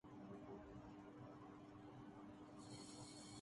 انہیں اس اہم کام کے لیے آمادہ کرنا ہو گا